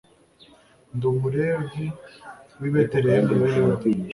ndi umulevi w'i betelehemu ya yuda